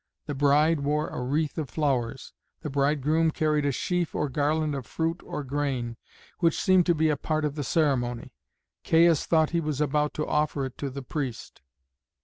The bride wore a wreath of flowers; the bridegroom carried a sheaf or garland of fruit or grain, which seemed to be a part of the ceremony. Caius thought he was about to offer it to the priest.